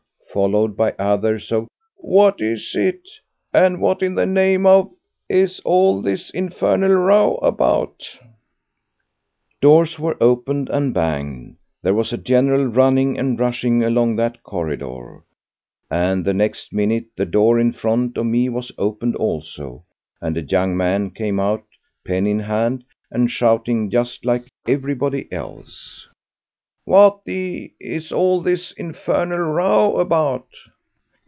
followed by others of "What is it?" and "What in the name of ——— is all this infernal row about?" Doors were opened and banged, there was a general running and rushing along that corridor, and the next minute the door in front of me was opened also, and a young man came out, pen in hand, and shouting just like everybody else: "What the ——— is all this infernal row about?"